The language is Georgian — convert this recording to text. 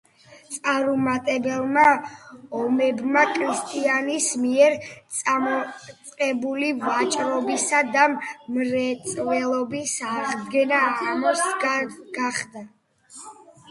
წარუმატებელმა ომებმა კრისტიანის მიერ წამოწყებული ვაჭრობისა და მრეწველობის აღდგენა ამაო გახადა.